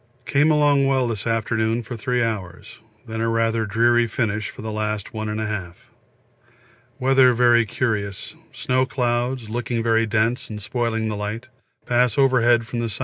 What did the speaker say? Came along well this afternoon for three hours, then a rather dreary finish for the last 1 1/2. Weather very curious, snow clouds, looking very dense and spoiling the light, pass overhead from the S.